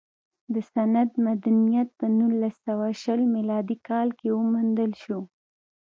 د سند مدنیت په نولس سوه شل میلادي کال کې وموندل شو